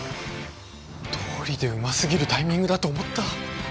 どうりでうま過ぎるタイミングだと思った。